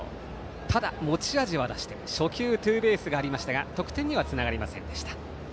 ただ、持ち味は出して初球ツーベースがありましたが得点にはつながりませんでした。